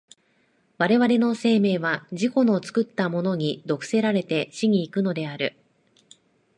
我々の生命は自己の作ったものに毒せられて死に行くのである。